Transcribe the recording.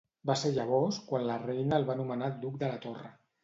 Va ser llavors quan la reina el va nomenar duc de la Torre.